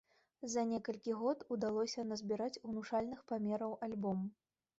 За некалькі год удалося назбіраць унушальных памераў альбом.